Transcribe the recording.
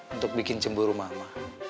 untuk bikin cemburu mama